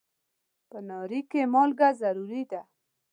په ناري کې مالګه ضروري ده.